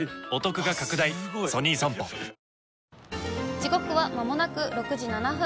時刻はまもなく６時７分。